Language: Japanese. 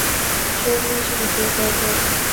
証明書の携帯等